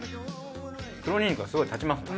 黒にんにくがすごい立ちますね。